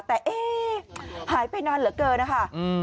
แต่เอ๊ะหายไปนานเหลือเกินนะคะ